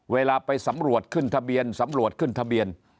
เวลาไปสำรวจขึ้นทะเบียนสำรวจขึ้นทะเบียน